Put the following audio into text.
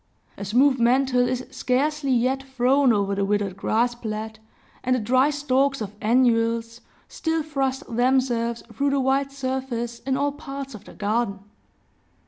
A smooth mantle is scarcely yet thrown over the withered grass plat, and the dry stalks of annuals still thrust themselves through the white surface in all parts of the garden.